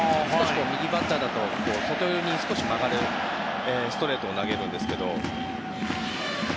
右バッターだと外寄りに少し曲がるストレートを投げるんですけど。